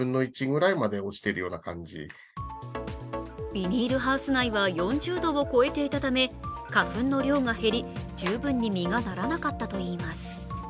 ビニールハウス内は４０度を超えていたため花粉の量が減り、十分に実がならなかったといいます。